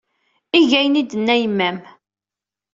Eg ayen ay d-tenna yemma-m.